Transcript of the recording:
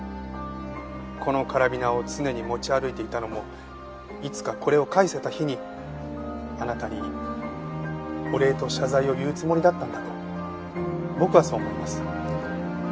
このカラビナを常に持ち歩いていたのもいつかこれを返せた日にあなたにお礼と謝罪を言うつもりだったんだと僕はそう思います。